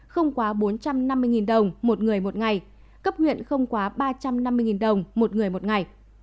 không quá bốn trăm năm mươi đồng một người một ngày cấp huyện không quá ba trăm năm mươi đồng một người một ngày